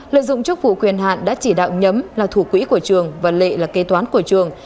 lợi dụng chức vụ quyền hạn đã chỉ đạo nhấm là thủ quỹ của trường và lệ là kê toán của trường